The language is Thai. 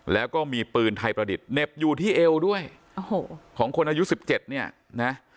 แล้วก็มีปืนไทยประดิษฐ์เหน็บอยู่ที่เอวด้วยโอ้โหของคนอายุ๑๗เนี่ยนะ